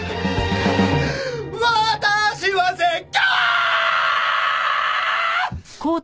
「私は絶叫！」